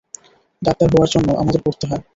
Doctor হওয়ার জন্য আমাদের পড়তে হয়।